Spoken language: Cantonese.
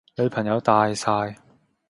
女朋友大曬